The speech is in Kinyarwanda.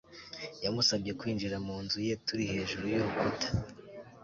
yamusabye kwinjira mu nzu ye. turi hejuru y'urukuta